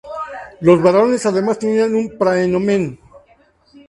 Los varones, además, tenían un "praenomen".